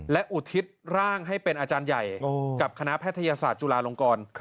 และอุทิศร่างให้เป็นอาจารย์ใหญ่กับคณะแพทยศาสตร์จุฬาลงกร